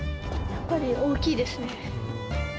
やっぱり大きいですね。